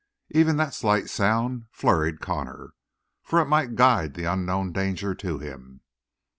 Even that slight sound flurried Connor, for it might guide the unknown danger to him.